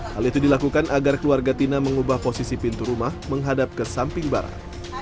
hal itu dilakukan agar keluarga tina mengubah posisi pintu rumah menghadap ke samping barat